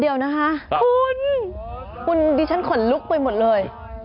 เดี๋ยวนะคะคุณคุณดิฉันขนลุกไปหมดเลย